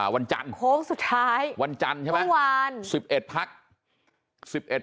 วันจันทร์โค้งสุดท้ายวันจันทร์ใช่ไหมทุกวัน